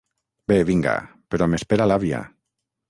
Bé, vinga, però m’espera l’àvia.